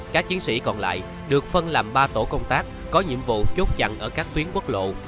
các chiến sĩ còn lại được phân làm ba tổ công tác có nhiệm vụ chốt chặn ở các tuyến quốc lộ